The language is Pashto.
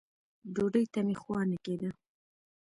ډوډۍ ته مې خوا نه کېده.